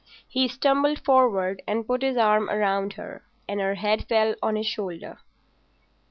He stumbled forward and put his arm round her, and her head fell on his shoulder.